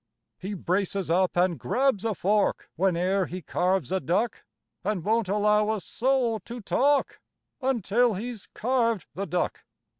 He braces up and grabs a fork Whene'er he carves a duck And won't allow a soul to talk Until he's carved the duck.